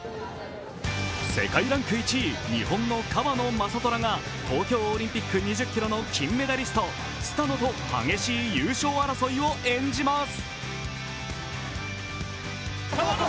世界ランク１位、日本の川野将虎が東京オリンピック２０ｋｍの金メダリスト、スタノと激しい優勝争いを演じます。